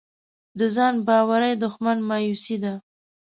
د ځان باورۍ دښمن مایوسي ده.